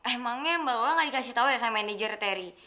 emangnya mbak walaupun nggak dikasih tahu ya sama manajer teri